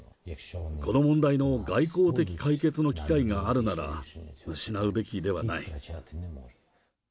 この問題の外交的解決の機会があるなら、失うべきではない。